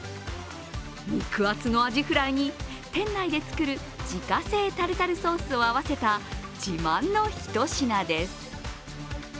肉厚のアジフライに店内で作る自家製タルタルソースを合わせた自慢のひと品です。